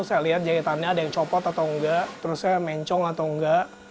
saya lihat jahitannya ada yang copot atau enggak terus saya mencong atau enggak